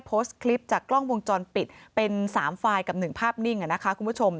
โพสต์คลิปจากกล้องวงจรปิดเป็น๓ไฟล์กับ๑ภาพนิ่งนะคะคุณผู้ชม